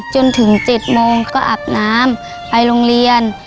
จนถึง๗โมงก็อาบน้ำไปโรงเรียน